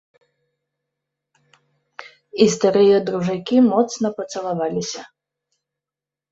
І старыя дружакі моцна пацалаваліся.